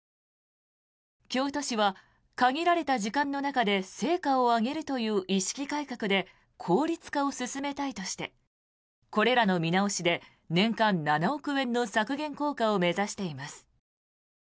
京都市は限られた時間の中で成果を上げるという意識改革で効率化を進めたいとしてこれらの見直しで年間７億円の削減効果を目指しています。